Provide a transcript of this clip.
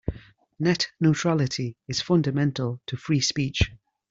Net neutrality is fundamental to free speech.